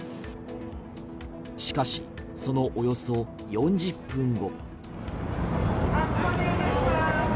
しかし、そのおよそ４０分後。